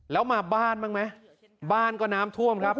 แล้วมาบ้านบ้างไหมบ้านก็น้ำท่วมครับ